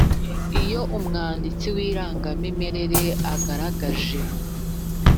iyo umwanditsi w irangamimerere agaragaje